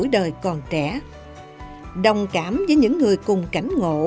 rất là khó khăn